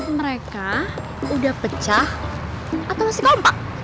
mereka udah pecah atau masih kompak